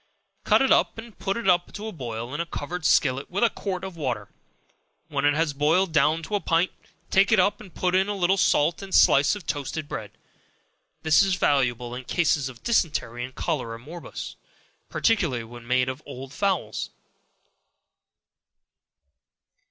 Cut it up and put it to boil in a covered skillet with a quart of water; when it has boiled down to a pint, take it up, and put in a little salt and slice of toasted bread. This is valuable in cases of dysentery and cholera morbus, particularly when made of old fowls.